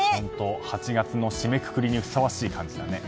８月の締めくくりにふさわしい感じだね。